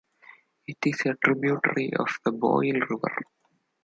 It is a tributary of the Boyle River.